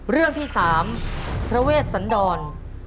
เรื่องที่๓พระเวชสันดร